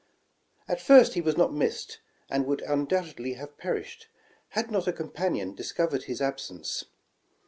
At first he was not missed, and would undoubtedly have perished, had not a companion discovered his ab sence.